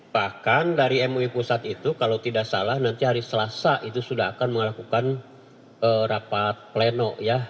bahkan dari mui pusat itu kalau tidak salah nanti hari selasa itu sudah akan melakukan rapat pleno ya